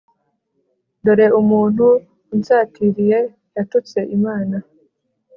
dore umuntu unsatiriye yatutse imana